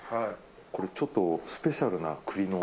これちょっとスペシャルな栗の。